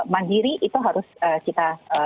mandiri itu harus kita